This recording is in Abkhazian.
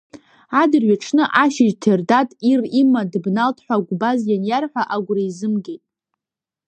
Адырҩаҽны ашьыжь Ҭердаҭ ир има дыбналт ҳәа Гәбаз ианиарҳәа, агәра изымгеит.